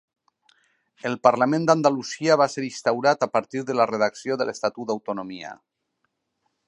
El Parlament d'Andalusia va ser instaurat a partir de la redacció de l'Estatut d'Autonomia.